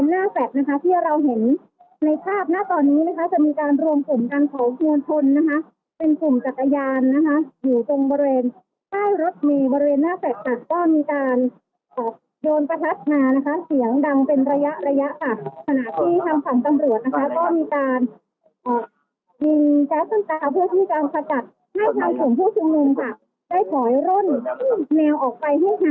บริเวณหน้าแสดนะคะที่เราเห็นในภาพหน้าตอนนี้นะคะจะมีการรวมกลุ่มกันของมวลชนนะคะเป็นกลุ่มจักรยานนะคะอยู่ตรงบริเวณใต้รถมีบริเวณหน้าแสดอ่ะก็มีการออกโดนประทัดงานนะคะเสียงดังเป็นระยะระยะอ่ะสถานที่ทางฝั่งตำรวจนะคะก็มีการอ่ะยิงแจ๊บต้นตาเพื่อที่การประกัดให้ทางผู้ชูงงค่ะได้ขอยร่นแนวออกไปให้ห่